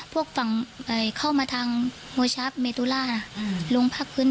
พวกฝั่งเอ่ยเข้ามาทางเมตุล่าอ่าอืมลงภาคพื้น